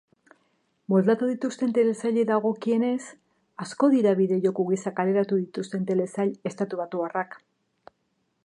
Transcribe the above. Moldatu dituzten telesailei dagokienez, asko dira bideo-joko gisa kaleratu dituzten telesail estatubatuarrak.